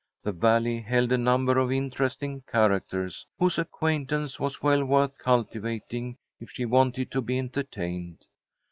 The Valley held a number of interesting characters, whose acquaintance was well worth cultivating if she wanted to be entertained.